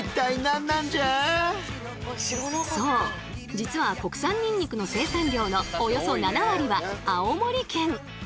実は国産ニンニクの生産量のおよそ７割は青森県。